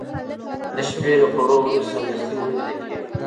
د شپې له خوړو وروسته سمدستي مه ويده کېږه